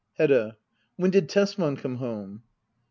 Hedda. When did Tesman come home